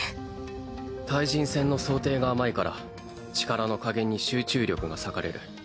対人戦の想定が甘いから力の加減に集中力が割かれる。